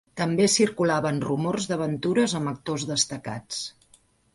També circulaven rumors d'aventures amb actors destacats.